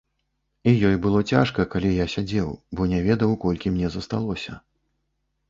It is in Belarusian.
І ёй было цяжка, калі я сядзеў, бо не ведаў, колькі мне засталося.